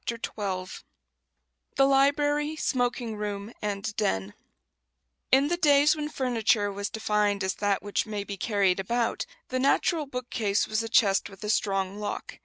] XII THE LIBRARY, SMOKING ROOM, AND "DEN" In the days when furniture was defined as "that which may be carried about," the natural bookcase was a chest with a strong lock.